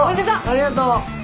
ありがとう。